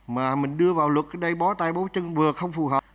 mà mình đưa vào luật ở đây bó tay bó chân vừa không phù hợp